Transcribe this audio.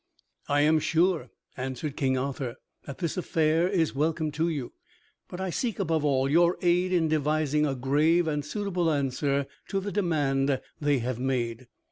"I am sure," answered King Arthur, "that this affair is welcome to you, but I seek, above all, your aid in devising a grave and suitable answer to the demand they have made.